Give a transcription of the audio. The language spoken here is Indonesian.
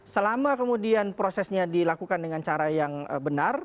selama kemudian prosesnya dilakukan dengan cara yang benar